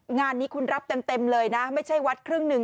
งานนี้คุณรับเต็มเลยนะไม่ใช่วัดครึ่งหนึ่ง